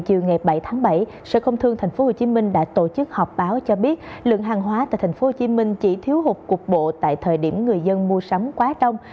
chiều ngày bảy tháng bảy sở công thương tp hcm đã tổ chức họp báo cho biết lượng hàng hóa tại tp hcm chỉ thiếu hụt cục bộ tại thời điểm người dân mua sắm quá đông